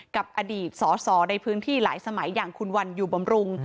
กับอดีตสอสอในพื้นที่หลายสมัยอย่างคุณวันอยู่บำรุง